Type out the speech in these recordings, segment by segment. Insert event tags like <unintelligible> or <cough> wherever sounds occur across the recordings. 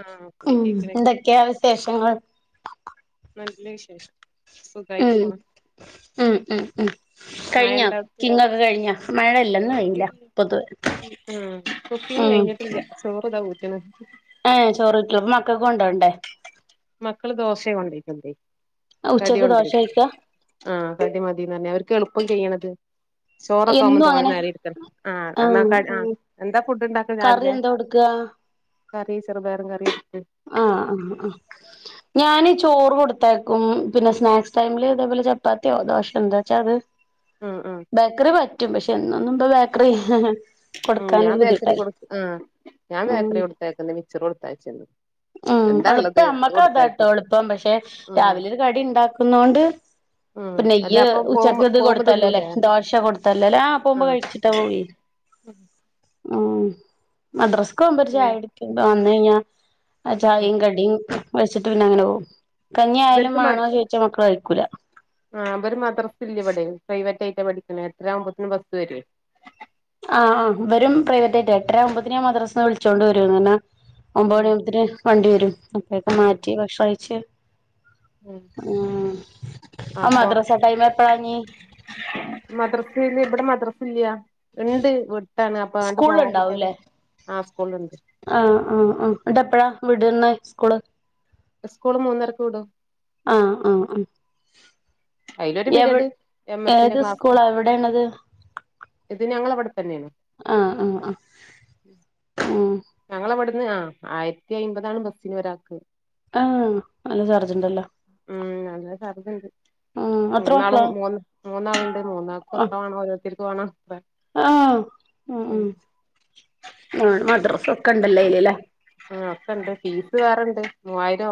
ആഹ് ഉം കേക്ക്ണ് കേ എന്തൊക്ക്യാ വിശേഷങ്ങള് നല്ല വിശേഷം സുഖായിട്ട് ഉം പോണ് ഉം ഉം ഉം കഴിഞ്ഞോ മഴണ്ടോ അവ്ട്ക്ക് കിങൊക്കെ കഴിഞ്ഞാ മഴ ഇല്ല ഇന്ന് വെയിലാ പൊതുവേ ഉം കുക്കിംഗ് ഉം കഴിഞ്ഞിട്ടില്ല ചോറ്താ ഊറ്റ്ണ് ഏഹ് ചോറൂറ്റാ അപ്പൊ മക്കക്ക് കൊണ്ടോണ്ടേ മക്കള് ദോശേ കൊണ്ടോയിക്ക്ന്നതെ കടി ഉച്ചക്ക് ദോശ കൊണ്ടോയി കഴിക്കാ ആഹ് കടി മതീന്ന് പറഞ്ഞ് അവർക്ക് എളുപ്പം കയ്യ്ണത് ചോറൊക്കാവുമ്പോ എന്നും തോന അങ്ങനെ നേരം ഇരിക്കണം ആഹ് എന്നാ ക ആഹ് എന്താ ഫുഡ് ഇണ്ടാക്ക കറി രാവിലെ എന്താ കൊടുക്കാ കറി ചെറ്പയറും കറി ആഹ് ആഹ് ആഹ് ഞാനി ചോറ് കൊട്ത്തയക്കും പിന്നെ സ്നാക്സ് ടൈമില് അതേപോലെ ചപ്പാത്ത്യോ ദോശ എന്താച്ചാ അത് ഉം ഉം ബേക്കറി പറ്റും പക്ഷെ എന്നൊന്നും ഇപ്പം ബേക്കറി ഉം ഞാൻ കൊടുക്കാനൊരു ബേക്കറി ബുദ്ധിമുട്ടല്ലേ കൊട് ആഹ് ഞാൻ ഉം ബേക്കറി കൊട്ത്തയക്ക്ന്ന് മിച്ചറ് കൊട്ത്തയച്ച്ണ്ട് ഉം എളുപ്പം നമ്മക്ക് അതാട്ടോ എളുപ്പം പക്ഷെ ഉം രാവിലെ ഒരു കടി ഇണ്ടാക്ക്ന്നൊണ്ട് ഉം പ്പം അല്ല ഇയ്യ് അപ്പം ഉച്ചക്ക് പോവുമ്പം ഇത് പോവുമ്പം കൊട്ത്തല്ലോലേ തിന്നൂലേ ദോശ കൊടുത്തല്ലോലേ ആഹ് പോവ്മ്പോ കഴിച്ചിട്ടാ പോവേ ഉം ഉം മദ്രസ്ക്ക് പോവുമ്പൊര് പിന്നെ ചായ കുടിക്കും വെന്നഴിഞ്ഞാ ആ ഉം ചായീം കടിം കഴിച്ചിട്ട് പിന്നെ അങ്ങനെ പോകും കഞ്ഞി ആയാലും മാണോ ചോയിച്ചാ മക്കള് കഴിക്കൂല ആഹ് ഇവര് മദ്രസ ഇല്ല ഇവിടെ പ്രൈവറ്റായിട്ടാ പഠിക്ക്ണ എട്ടരാവുമ്പോത്തിന് ബസ് വെരും ആഹ് ആഹ് ഇവരും പ്രൈവറ്റായിട്ടാ എട്ടരാവുമ്പോത്തിന് ഞാൻ മദ്രാസ്ന്ന് വിളിച്ചോണ്ട് വരും കാരണം ഒമ്പത് ഉം മണിയാവുമ്പോത്തിന് വണ്ടി വരും അപ്പഴേക്കും ഉം മാറ്റി ഭക്ഷണം കഴിച്ച് ഉം ഉം ആ മദ്രസ ടൈമ് എപ്പളാഞ്ഞ് മദ്രസില് ഇവിടെ മദ്രസ ഇല്ല ഇണ്ട് വി ട്ടാണ് അപ്പാണ്ട് സ്കൂളിൽ പോവാൻ ഉണ്ടാവൂല്ലേ കുട്ട്യേള്ക്ക് ആഹ് സ്കൂള്ല്ണ്ട് ആഹ് ആഹ് ആഹ് ഇന്നെട്ട് എപ്പഴാ വിടുന്ന സ്കൂള് സ്കൂള് മൂന്നരക്ക് വിടും ആഹ് ആഹ് ആ അയിലൊരു പീരീഡ് എവിടെ എം എസിന്റെ ഏത് ക്ലാസ് സ്കൂളാ എവിടേണത് ഇത് ഞങ്ങളെ ഇവിടെ ഇവിടെന്നേണ് ആഹ് ആഹ് ആഹ് ഉം ഞങ്ങളെ ഇവിടുന്ന് ആഹ് ആയി രത്തി അയ്മ്പതാണ് ബസ്സിന് ഒരാൾക്ക് ആഹ് നല്ല ചാർജുണ്ടല്ലോ മൂന്നാള് മൂന്ന് മൂന്നാളുണ്ട് മൂന്നാൾക്കും അത്ര ആഹ് വേണം ഓരോരുത്തർക്കും വേണം പ ആഹ് ഉം ഉം ആ മദ്രസ് ഒക്കെ ഉണ്ടല്ലോ അയ്ല് ആഹ് ഒക്കെണ്ട് ഫീസ് വേറെണ്ട് മൂവായിരം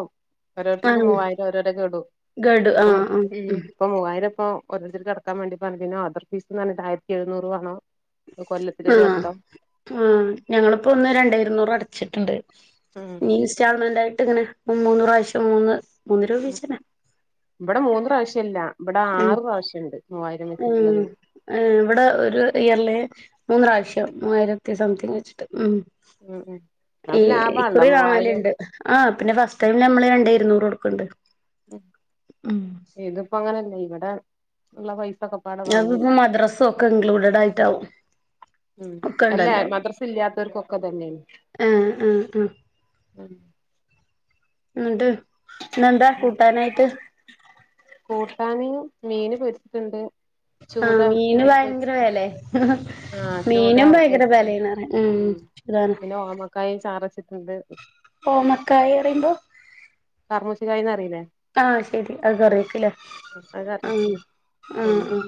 ഓരോരുത്തർക്ക് ആഹ് മൂവായിരം ഒരോരൊ ഗടു ഗഡു ആഹ് ഇപ്പം ആഹ് ഉം ഇപ്പം മൂവായിരം ഇപ്പോ ഒരോരുത്തർക്ക് അടക്കാൻ വേണ്ടി പറഞ്ഞു പിന്നെ അദർ ഫീസ്ന്ന് പറഞ്ഞിട്ട് ആയിരത്തി എഴുന്നൂറ് വേണം കൊല്ലത്തിൽ ഒരു ആഹ് വട്ടം ആഹ് ഞങ്ങളിപ്പോ ഒന്ന് രണ്ടേ ഇരുന്നൂറ് അടച്ചിട്ടുണ്ട് ഉം ഇനി ഇൻസ്റ്റാൾമെന്റ് ആയിട്ട് ഇങ്ങനെ മൂന്ന് പ്രാവശ്യം മൂന്ന് മൂന്ന് രൂപ വീതിച്ചെന്നെ ഇവിടെ മൂന്ന് പ്രാവശ്യം അല്ല ഇവിടെ ഉം ആറ് പ്രാവശ്യം ഉണ്ട് മൂവായിരം വെച്ചിട്ടുള്ളത് ഏ ഇവിടെ ഒരു ഇയറില് മൂന്നു പ്രാവശ്യം മൂവായിരത്തി സംതിങ്ങ് വെച്ചിട്ട് ഉം ഉം ഉം ഈ അപ്പൊ ലാഭാണല്ലോ കുറി മൂവായിരം വാങ്ങലുണ്ട് ആ പിന്നെ ഫസ്റ്റ് ടൈം നമ്മള് രണ്ടേ ഇരുന്നൂറ് കൊടുക്ക്ണ്ട് ഇതിപ്പോ അങ്ങനല്ലെ ഇവിടെ ഉള്ള പൈസ ഒക്കെ ഞങ്ങൾക്ക് ഇപ്പം മദ്രസ് ഒക്കെ ഇൻക്ലൂഡഡ് ആയിട്ടാവും ഉം ഒക്കെ അല്ല ഉണ്ടല്ലോ മദ്രസ് ഇല്ലാത്തവർ കൊക്കെ ഇതന്നെയാണ് ഏഹ് ആഹ് ആ ഉം എന്നിട്ട് ഇന്ന് എന്താ കൂട്ടാനായിട്ട് കൂട്ടാന് മീന് പൊരിക്ക്ണ്ട് ആഹ് ചൂത മീന് ഭയങ്കര പൊരിച്ചത് വെലേ ആഹ് ചൂത മീനും ഭയങ്കര പൊരിച്ചു വെലേണ് പറയാ ഉം അതാണ് പിന്നെ ഓമക്കായും ചാറച്ച്ട്ടുണ്ട് ഓമക്കായി പറയുമ്പോൾ കർമ്മൂസ കായീന്ന് പറയില്ലേ ആഹ് ശരി അത് കറി വെക്കലേ അത് കറി ആഹ് വെച്ച് ആ പിന്നെ ആ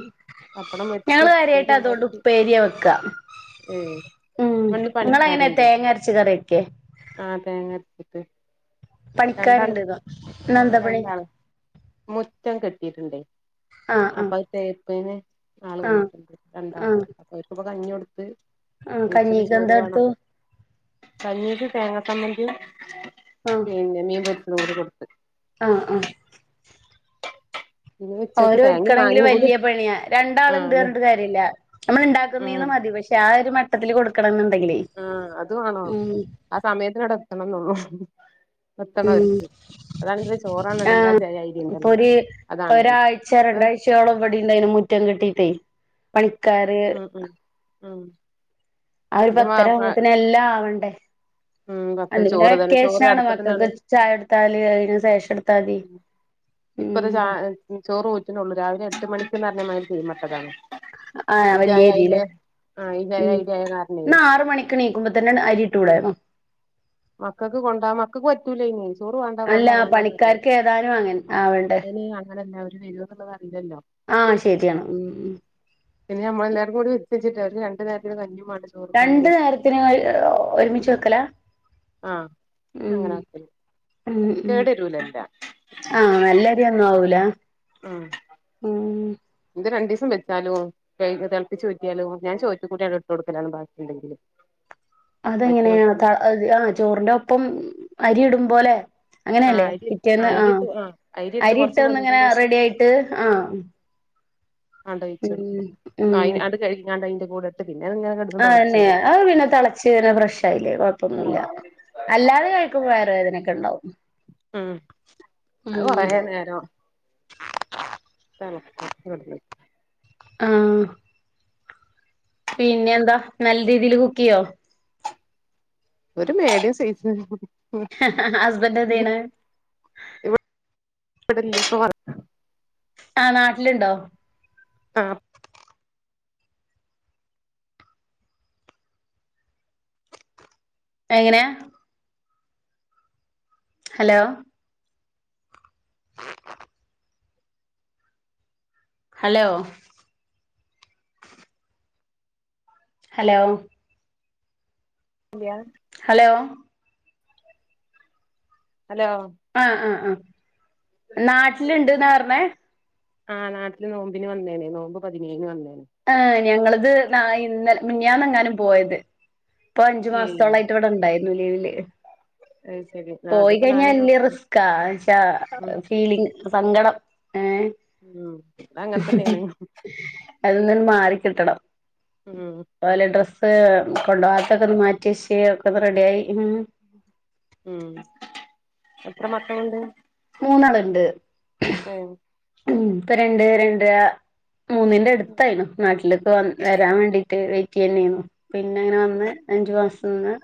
പപ്പടം പൊരിച്ച് ഞങ്ങൾ കാര്യായിട്ട് ഉപ്പേരി അത്കൊണ്ട് ഉണ്ടാക്കി ഉപ്പേരിയ വെക്കാ ഏഹ് ഉം ഇവിടിന്ന് നിങ്ങള് എങ്ങനെയാ പണിക്കാരുണ്ടേ തേങ്ങ അരച്ച് കറി വെക്കെ ആഹ് തേങ്ങ അരച്ചിട്ട് രണ്ടാള് പണിക്കാരുണ്ട് ന്നൊ ഇന്ന് ആഹ് എന്താ പണി രണ്ടാള് മുറ്റം കെട്ടിയിട്ടുണ്ടേ ആഹ് ആഹ് അപ്പം അത് തേ പ്പിന് ആൾ ആഹ് വന്നിട്ടുണ്ട് രണ്ടാൾ ആഹ് ഓര്ക്ക് ഇപ്പൊ കഞ്ഞി കൊടുത്ത് ആഹ് കഞ്ഞീക്ക് എന്താ കൊടുത്തു കഞ്ഞീക്ക് തേങ്ങ ചമ്മന്തിം ആഹ് പിന്നെ മീൻപൊരിച്ചതും കൂടി കൊടുത്ത് ആഹ് ആഹ് ഇനി ഉച്ചക്ക് ഓരെ തേങ്ങയും ഒരുക്കണെങ്കില് മാങ്ങയും കൂടി വല്യയ പണിയാ രണ്ടാള് ആഹ് ഉണ്ട് അതെ പറഞ്ഞിട്ട് കാര്യല്ല നമ്മള് ഉം ഉണ്ടാക്കുന്നതീന്ന് മതി പക്ഷെ ആഹ് ഒരു മട്ടത്തില് കൊടുക്കണംന്ന് ഉണ്ടെങ്കിലേ ആഹ് അത് വേണം ആഹ് സമയത്തിനവടെ എത്തണം ന്നൊള്ളൂ ഉം ചോറാണെണെങ്കില് ആ ആഹ് ജയ അരി ഉണ്ടല്ലോ ഇപ്പൊര് അതാണ് ഒരാഴ്ച അപ്പൊ രണ്ടാഴ് ഉച്ചയോളം ഇവടെയും ഉണ്ടായിനി മുറ്റം കെട്ടീട്ടേ പണിക്കാര് ഉം ആഹ് ആഹ് ഒരു പത്തരാവുമ്പത്തിന് എല്ലാം ആവണ്ടേ ഉം പത്തര അന്ന് പിന്നെ ചോറ് തന്നെ ചോറ് വെക്കേഷനാണ് അടുപ്പത്തിന്നാണ് മക്കക്കൊ- ചായ എടുത്താല് അയിന് ശേഷം എടു - ഇപ്പോ ഒരു ചാ എഹ് ഉം ചോറ് ഊറ്റ്നൊള്ളൂ രാവിലെ എട്ട് മണിക്ക് എന്നറിഞ്ഞ മാതിരി മട്ടലാണ് ആഹ് ഈ വലിയ അരില്ലേ ചായായില്ല്യേ ആഹ് ഈ ചായായില്ല്യേന്നറഞ്ഞ് <unintelligible> നിക്ക് എണീക്കുമ്പം തന്നെ അരി ഇട്ടൂടായിരുന്നോ മക്കക്ക് കൊണ്ടാ മാ മക്കക്ക് പറ്റൂല ഇനി ചോറ് വേണ്ട അല്ല വേണ്ട വേണ്ടാന്ന് പറയും പണിക്കാർക്ക് ഏതാനും അങ്ങനെ ആവണ്ടേ ഇനി അങ്ങനെല്ലാവരും വരോ ന്ന്ള്ളത് അറീല്ലല്ലോ ആഹ് ശരിയാണ് ഉം ഉം പിന്നെ ഞമ്മളെല്ലാരും കൂടി ഒരുക്കി വെച്ചിട്ട് രണ്ട് നേരത്തിന് കഞ്ഞിം വാ <unintelligible> ണ്ടച്ച് രണ്ട് നേരത്തിന് ഒരുമിച്ച് വെക്കലാ ആഹ് ഉം അങ്ങനാ വെക്കല് ഉം ഉം കേട് വരൂലല്ല ആഹ് നല്ല അരിയൊന്നും ആവൂല ഉം ഉം ഇത് രണ്ടീസം വെച്ചാലും കൈ അ് തെളപ്പിച്ചൂറ്റിയാലും ഞാൻ ചോദിച്ചു കുട്ടികൾക്ക് വെച്ച് കൊടുക്കലാണ് ബാക്കി ഇണ്ടെങ്കില് <inaudible> അതെങ്ങനെയാ താ ആഹ് ചോറിന്റെ ഒപ്പം അരിയിടുമ്പോലേ- ആ അങ്ങനെയല്ലേ അരി പിറ്റേന്ന് ആ ആഹ് അരിയിട്ട് ആ അരിയിട്ട് കുറച്ച് ഒന്ന് ഇങ്ങനെ വെന്തതിന്റെ ശേഷം റെഡിയായിട്ട് ആഹ് ആണ്ട് ഉം ഒഴിച്ചൊടുക്കു ഉം അയിന് അതു കഴിഞുങ്ങാണ്ട് അയിന്റ കൂടെഇട്ട് പിന്നെ അതിങ്ങനെ കെടന്ന് - ആഹ് തന്നേ അത് പിന്നെ തെളച്ച് പിന്നെ ഫ്രഷായില്ലേ ഉം കൊഴപ്പൊന്നുല്ല അല്ലാതെ കഴിക്കുമ്പോ വയറു വേദനയൊക്ക ഇണ്ടാവും ഉം അത് കൊറേ - നേരോ തെളക്കും വെള്ളൊ <unintelligible> യ് ആഹ് പിന്നെയെന്താ നല്ല രീതീല് കുക്ക് ചെയ്യോ ഒരു മേഡിയം സൈസ് ഹസ്ബൻന്റ് എന്ത് ചെയ്യ്ണ് ഇവട് ഇവടില്ല ഇപ്പ വർക്ക് ആഹ് നാട്ടില് ഇണ്ടോ ആഹ് എങ്ങനെയാ ഹലോ ഹലോ ഹലോ ഇല്ലിയ ഹലോ ഹലോ ആഹ് ആഹ് ആഹ് നാട്ടില് ഇണ്ട്ന്നാ പറഞ്ഞേ ആഹ് നാട്ടില് നോമ്പിന് വന്നേന് നോമ്പ് പതിനേഴിന് വന്നേന് ആഹ് ഞങ്ങളത് നാ ഇന്നലെ മിനിഞ്ഞാന്നെങ്ങാനും പോയത് ഇപ്പൊ അഞ്ച് ഏയ് മാസത്തോളായിട്ട് ഇവിടെ ഇണ്ടായിരുന്നു ലീവില് അത് ശരി ആ അതിപ്പോ പോയികഴിഞ്ഞാ നാല് വല്ല്യ മാസം റിസ്ക്കാ എന്നുച്ചാ ഉം ഫീലിംഗ്. സങ്കടം ഏ ഉം അത് അങ്ങനെ തന്നെയാണ് അതിനിയൊന്നു മാറിക്കിട്ടണം. ഉം ഓലെ ഡ്രസ്സ് കൊണ്ടോവാത്തൊക്കൊന്ന് മാറ്റിവെച്ച് ഒക്കൊന്ന് റെഡിയായി ഉം ഉം എത്ര മക്കളൊണ്ട്. മൂന്നാളൊണ്ട് ഇപ്പൊ രണ്ട് രണ്ടര മൂന്നിന്റെടുത്തായിനു നാട്ടിലേക്ക് വന്ന് വരാൻ വേണ്ടീട്ട് വെയിറ്റെയ്യന്നേയ്നു. പിന്നെയിങ്ങനെ വന്ന് അഞ്ചുമാസം നിന്ന്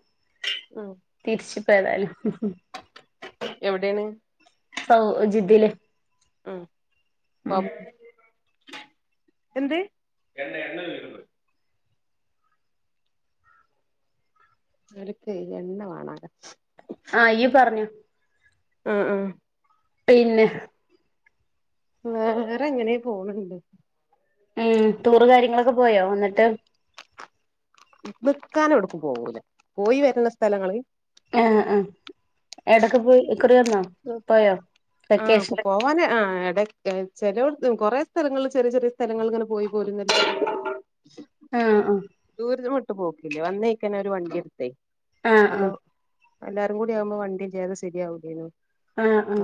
ആഹ് തിരിച്ചിപ്പേതായാലും. എവിടേണ് സൗ ജിദ്ദേല്. ഉം പൗ എന്തേ എണ്ണ എണ്ണതീർന്നു. ഇവരിക്കേ എണ്ണ വേണോലോ. ആ ഇയ്യ് പറഞ്ഞോ. ആഹ് ആഹ് പിന്നെ വേറെങ്ങനെ പോണണ്ട്. ഏഹ് ടൂറ് കാര്യങ്ങളൊക്കെ പോയോ വന്നെട്ട്. നിക്കാനെവിടെക്കും പോവൂല പോയിവരുന്ന സ്ഥലങ്ങള്. ഏ ഏ ഏവിടെക്കെ പോയി ഇക്കുറിവന്നോ പോയോ. ആ വെക്കേഷന് പൊക്കോ തോനെ ആ എടക്ക് ചെലോടത്ത് കൊറേ സ്ഥലങ്ങള് ചെറിയ ചെറിയ സ്ഥലങ്ങളങ്ങനെ പോയി പോരുന്നല്ലാതെ ആഹ് ദൂരതുവിട്ട് പോക്കില്ല വന്നിക്കണൊരു വണ്ടിയെടുത്തേ ആഹ് ആഹ് ആഹ് അപ്പൊ എല്ലാരും കൂടിയാവുമ്പോ വണ്ടിയില്ലാതെ സെരിയാവുല്ലേനു. ആ ആഹ്.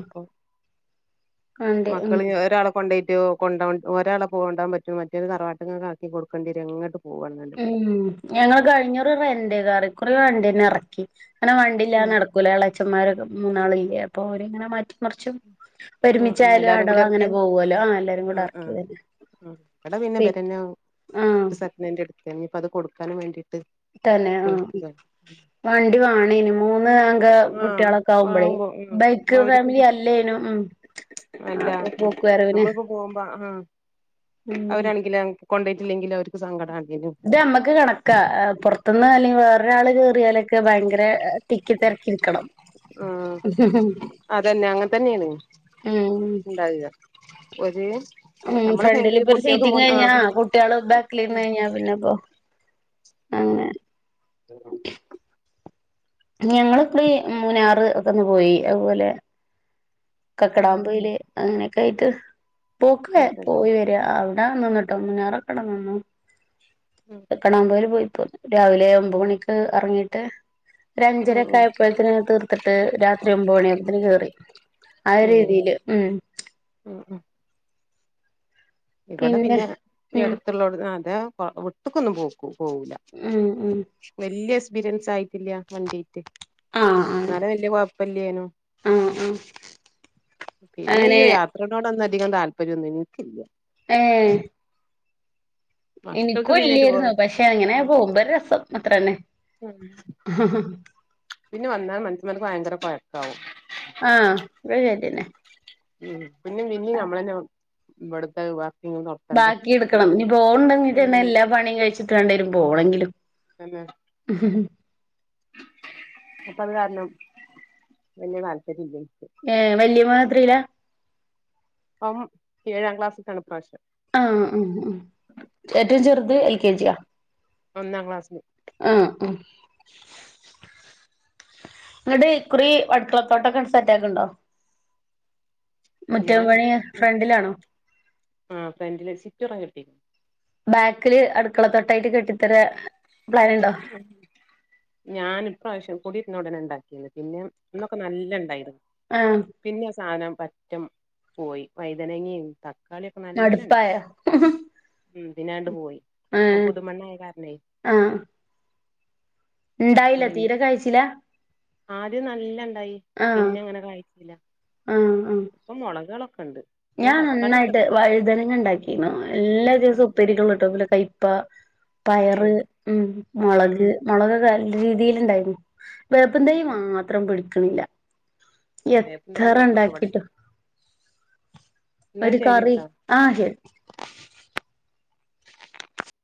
അതെ ഉം മക്കളിഞ്ഞ് ഒരാളെ കൊണ്ടൊയിറ്റ് കൊണ്ടോവാൻ ഒരാളെപ്പോ കൊണ്ടാവാൻ പറ്റോ മറ്റോരെ തറവാട്ടിങ്ങിക്കാക്കി കൊടുക്കണ്ടിവരും എങ്ങട്ടു ഉം ഞങ്ങള് കഴിഞ്ഞകുറി റെൻ്റ് കാറ് ഇക്കുറി വണ്ടീനെറക്കി കാരണം വണ്ടില്ലാതെ ഉം നട ക്കൂല ഇളേയച്ചന്മാരൊക്കെ മൂന്നാളില്ലേ അപ്പോ ഓരിങ്ങനെ മാറ്റി മറിച്ചും ഉം ഉം ഒരുമിച്ചായാലും എല്ലാരും കൂടി എറക്കിയ അടവങ്ങനെ പോവൂവല്ലോ ആ എല്ലാരുംകൂടെ അടക്കുവല്ലേ. ഉം ഇവടെ പിന്നെ ഇബരന്നെ ആഹ് സെക്കൻഡ് എടുത്തു ഇനിപ്പത് കൊടുക്കാനും വേണ്ടിട്ട്. തന്നെ ആഹ് വണ്ടി വാങ്ങണേനും. മൂന്ന് അംഗ ആഹ് കുട്ടികളൊക്കെയാവുമ്പഴേ ആവുമ്പോ ഉം ബൈക്ക് അവർക്ക് ഫാമിലി അല്ലേനും ഉം. അല്ല അപ്പൊ പോക്ക് വരവിന് നമ്മളിപ്പോ പോവുമ്പ ആഹ് ഉം അവരാണെങ്കിലോ കൊണ്ടൊയിട്ടില്ലെങ്കിലും അവർക്ക് സങ്കടാകീനു ഇത് ഞമ്മക്ക് കണക്കാ അ പൊറത്ത്ന്ന് അല്ലെങ്കി വേറൊരാള് കേറിയാലൊ ക്കെ ഭയങ്കര തിക്കിത്തെരക്കിനിക്കണം. ആഹ് അതന്നെ അങ്ങനെതന്നേണ് ഉം ഇണ്ടാകുക. ഒര് ഉം ഫ്രണ്ടിലിപ്പൊരു സീറ്റും കഴിഞ്ഞാ കുട്ടിയേള് ബേ ക്കിലിരുന്നുകഴിഞ്ഞാ പിന്നെപ്പോ അങ്ങനെ. ഞങ്ങള് ഇക്കുറി മുന്നാറ് ഒക്കൊന്ന് പോയി. അത് പോലെ കക്കടാമ്പൊയില് അങ്ങനെയൊക്കായിട്ട് പോക്ക് പോയിവര് ര അവിടെ നിന്നിട്ടൊന്ന് മുനാറൊക്കട നിന്നു. ഉം കക്കടാപോയില് പോയി പോന്നു. രാവിലെ ഒമ്പ് മണിക്ക് അറങ്ങീട്ട് ഒരഞ്ചരൊക്കെ ഉം ആയപ്പോഴത്തിന് തീർത്തിട്ട് രാത്രി ഒമ്പ് മണിയായപോത്തിന് കേറി. ആഹ് രീതീല് ഉം. ഉം ഉം ഇവിടെ പിന്നെ ഈ ഉം അടുത്തുള്ളോണ്ട് അതെ വിട്ട്ക്കൊന്നും പോക്കൂ പോവൂല. ഉം ഉം വല്യ എക്സ്പീരിയൻസ് ആയിട്ടില്ല വണ്ടിറ്റ്. ആഹ് എന്നാലോ ആഹ് വല്യ കൊഴപ്പല്ലേനും ആഹ് ആഹ് പിന്നെ ഈ അങ്ങനെ യാത്രനോടൊന്നധികം താല്പര്യോന്നും ഇനിക്കില്ല. ഏഹ് മക്കൾക്ക് എനിക്കും പിന്നെ ടൂ ഇല്ലായിരുന്നു പക്ഷെ അങ്ങനെ പോകുമ്പൊരു രസം അത്രന്നെ. പിന്നെ വന്നാൽ മനുഷന്മാർക്ക് ഭയങ്കര കൊഴക്കാവും. ആഹ് അത് ശരിയെന്നെ ഉം പിന്നെ പിന്നീ നമ്മളെന്നെ ഇവിടുതെ ബാക്കിടുക്കണം ഇനി പോണിണ്ടെങ്കത്തന്നെ ഉം എല്ലാ പണിയും കഴിച്ചിട്ട് വേണ്ടേരും പോണെങ്കിലും. തന്നെ അപ്പ അത് കാരണം വല്യ താല്പര്യല്ലെനിക്ക്. ഏഹ് വല്യേ മോൻ എത്രീല? അവൻ ഏഴാം ക്ലാസ്ക്കാണു ഇപ്രാവശ്യം. ആഹ് ഉം ഉം ഏറ്റവും ചെറുത് എൽ കെ ജിയാ? ഒന്നാം ക്ലാസ്ന് ആഹ് ആഹ് ഇങ്ങട്ട് ഇക്കുറി അടുക്കളത്തോട്ടൊക്കെ സെറ്റാക്ക്ണുണ്ടോ? ഞാൻ പണി ഫ്രണ്ടിലാണോ ആഹ് ഫ്രണ്ടില് ചുറ്റൊറം കെട്ടി. ബാക്കില് അടുക്കള തൊട്ടായിട്ട് കെട്ടിത്തര പ്ലാനുണ്ടോ? ഉം ഞാൻ ഇപ്രാവശ്യം കൂടീര്ന്ന ഉടനെ ഉണ്ടാക്കിന്ന് പിന്നെ അന്നൊക്കെ നല്ലണ്ടായിരുന്ന്. ആഹ് പിന്നെ ആഹ് സാനം പറ്റം പോയി വൈതനങ്ങി തക്കാളിയൊക്കെ നല്ലണ്ട് മടുപ്പായോ ഉം പിന്നാണ്ട് പോയി ആഹ് പുതുമണ്ണായ കാരണേ ആഹ് അപ്പൊ ഇണ്ടായില പിന്നെ തീര കായ്ച്ചില്ല. ആദ്യം നല്ലണ്ടായി ആഹ് ആഹ് ആഹ് ഇപ്പൊ മൊളകേളൊക്കെണ്ട്. ഞാൻ നന്നായിട്ട് വഴുതനങ്ങ ഉണ്ടാക്കിന്നു എല്ലാ ഉം. ദിവസവും ഉപ്പേരിക്കുള്ളേട്ടും അതു പോലെ കൈ പ്പ പയറ് ഏയ് ഉം ഉം മൊളക് ഉം മൊളകൊക്കെ നല്ല രീതിലിണ്ടായിരുന്നു. വേപ്പും തൈ മാത്രം പിടിക്കണില്ല വേപ്പും തയ്യേ ഉള്ളൂ ഇപ്പൊ ഇവിടെ എത്രണ്ടാക്കിട്ടും. എന്നാ ഒരു കറി ശരിട്ടോ ആഹ് ഉം ശരി